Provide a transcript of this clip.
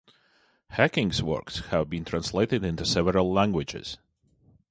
Hacking's works have been translated into several languages.